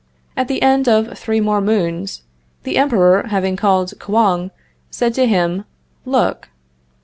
At the end of three more moons, the Emperor, having called Kouang, said to him: "Look."